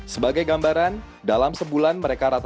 sebagai gambaran dalam sebulan mereka ratusan jutaan